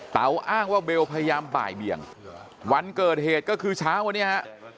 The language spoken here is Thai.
อ้างว่าเบลพยายามบ่ายเบี่ยงวันเกิดเหตุก็คือเช้าวันนี้ฮะ